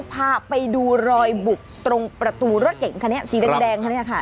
พาไปดูรอยบุกตรงประตูรถเก่งคันนี้สีแดงคันนี้ค่ะ